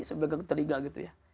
sambil pegang telinga gitu ya